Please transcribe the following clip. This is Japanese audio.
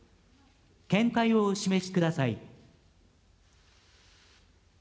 見解をお示しください。